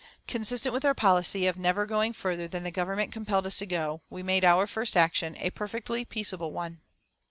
Consistent with our policy, of never going further than the Government compelled us to go, we made our first action a perfectly peaceable one.